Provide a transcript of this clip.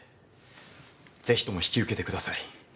ぜひとも引き受けてください。